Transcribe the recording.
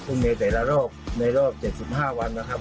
ทุนในแต่ละรอบในรอบ๗๕วันนะครับ